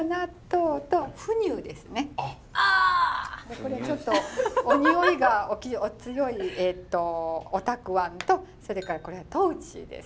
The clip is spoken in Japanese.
これちょっとお匂いがお強いおたくあんとそれからこれは豆です。